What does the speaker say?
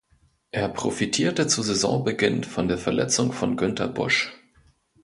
Er profitierte zu Saisonbeginn von der Verletzung von Günter Busch.